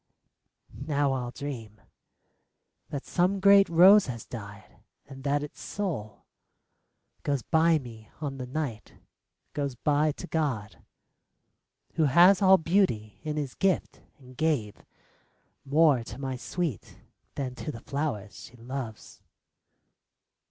... Now I'll dream That some great rose has died, and that its soul Goes by me on the night — goes by to God, Who has all beauty in His gift, and gave More to my Sweet than to the flowers she loves